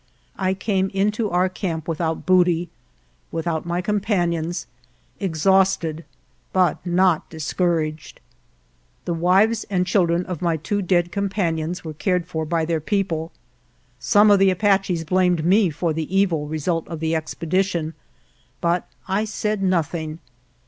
I came into our camp without booty, without my companions, ex hausted, but not discouraged. The wives and children of my two dead companions were cared for by their people. Some of the Apaches blamed me for the evil result of the expedition, but I said nothing.